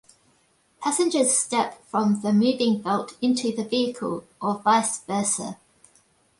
Passengers step from the moving belt into the vehicle or vice versa.